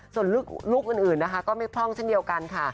ส่วนลูกอื่นนะคะก็ไม่พร่องเช่นเดียวกันค่ะ